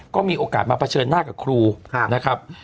ก็มีโอกาสมาเผชิญหน้ากับครูนะครับ